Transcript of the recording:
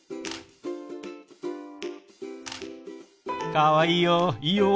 かわいいよいいよ。